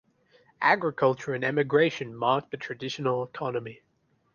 Agriculture and emigration marked the traditional economy.